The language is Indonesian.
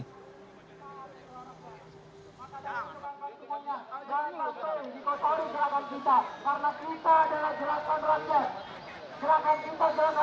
kita adalah jelaskan rakyat